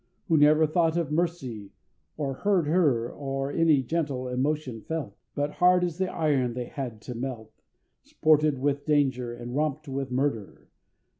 Who never thought of Mercy, or heard her, Or any gentle emotion felt; But hard as the iron they had to melt, Sported with Danger and romp'd with Murder!